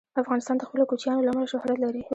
افغانستان د خپلو کوچیانو له امله شهرت لري.